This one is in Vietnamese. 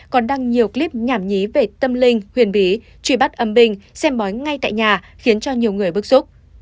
còn đăng nhiều clip nhảm nhí về tâm linh huyền bí truy bắt âm bình xem bói ngay tại nhà khiến cho nhiều người bức xúc